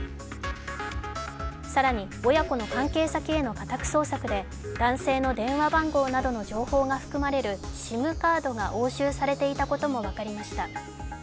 更に親子の関係先への家宅捜索で男性の電話番号などの情報が含まれるＳＩＭカードが押収されていたことも分かりました。